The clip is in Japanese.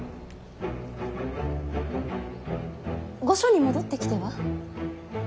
御所に戻ってきては？